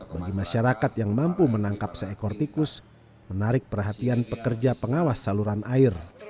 bagi masyarakat yang mampu menangkap seekor tikus menarik perhatian pekerja pengawas saluran air